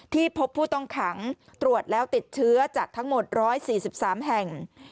ที่พบผู้ต้องขังตรวจแล้วติดเชื้อจากทั้งหมด๑๔๓แห่ง